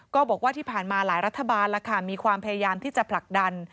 ก็บอกว่าที่ผ่านมาหลายรัฐบาลมีความพยายามที่จะผลักดัน